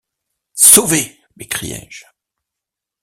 Sauvés! m’écriai-je.